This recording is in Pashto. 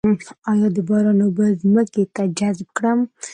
آیا د باران اوبه ځمکې ته جذب کړم؟